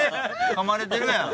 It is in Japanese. かまれてるやん。